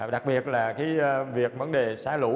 đặc biệt là cái việc vấn đề xã lũ